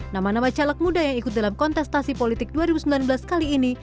nama nama caleg muda yang ikut dalam kontestasi politik dua ribu sembilan belas kali ini